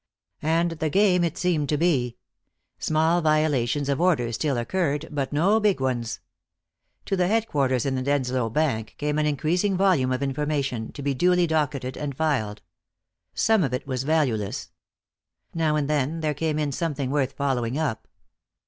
And the game it seemed to be. Small violations of order still occurred, but no big ones. To the headquarters in the Denslow Bank came an increasing volume of information, to be duly docketed and filed. Some of it was valueless. Now and then there came in something worth following up.